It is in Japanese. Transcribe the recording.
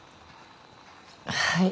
はい。